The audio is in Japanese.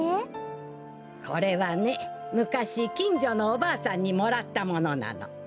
これはねむかしきんじょのおばあさんにもらったものなの。